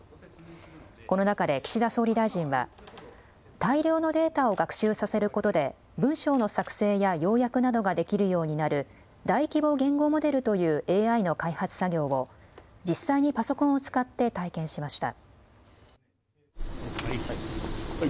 この中で岸田総理大臣は大量のデータを学習させることで文章の作成や要約などができるようになる大規模言語モデルというＡＩの開発作業を実際にパソコンを使って体験しました。